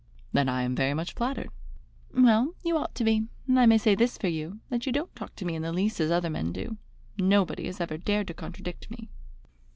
"Then I am very much flattered." "Well, you ought to be, and I may say this for you, that you don't talk to me in the least as other men do. Nobody has ever dared to contradict me."